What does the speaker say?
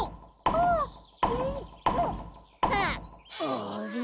あれ？